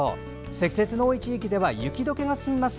積雪の多い地域では雪どけが進みます。